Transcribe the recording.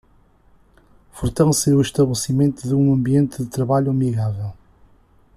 Fortalecer o estabelecimento de um ambiente de trabalho amigável